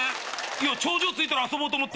頂上着いたら遊ぼうと思って。